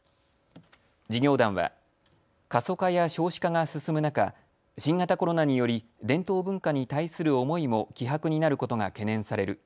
事業団は過疎化や少子化が進む中、新型コロナにより伝統文化に対する思いも希薄になることが懸念される。